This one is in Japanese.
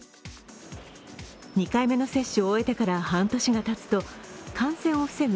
２回目の接種を終えてから半年がたつと感染を防ぐ